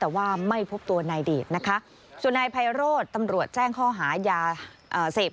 แต่ว่าไม่พบตัวนายเดชนะคะส่วนนายไพโรธตำรวจแจ้งข้อหายาเสพ